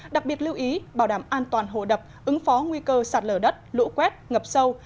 đặc biệt lưu ý bảo đảm an toàn hồ đập ứng phó nguy cơ sạt lở đất lũ quét ngập sâu